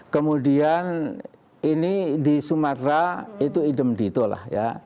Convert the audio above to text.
kemudian ini di sumatera itu idem ditulah